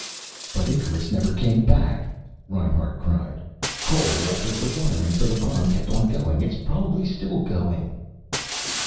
"But Icarus never came back," Reinhart cried. "Cole altered the wiring so the bomb kept on going. It's probably still going."